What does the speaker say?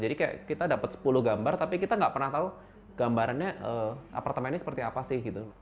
jadi kayak kita dapet sepuluh gambar tapi kita nggak pernah tahu gambarannya apartemennya seperti apa sih gitu